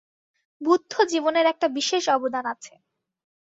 বুদ্ধ-জীবনের একটা বিশেষ অবদান আছে।